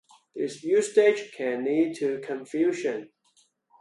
This usage can lead to confusion.